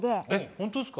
ホントですか？